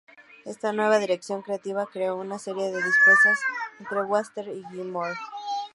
Esta nueva dirección creativa creó una serie de disputas entre Waters y Gilmour.